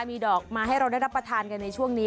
มีดอกมาให้เราได้รับประทานกันในช่วงนี้